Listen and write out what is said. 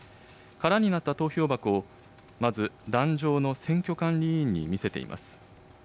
空になった投票箱を、まず壇上の選挙管理委員に見せています。